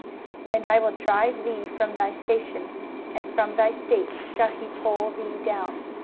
23:022:019 And I will drive thee from thy station, and from thy state shall he pull thee down.